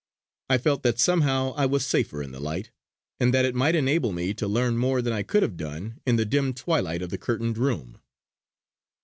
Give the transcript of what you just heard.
I felt that somehow I was safer in the light, and that it might enable me to learn more than I could have done in the dim twilight of the curtained room.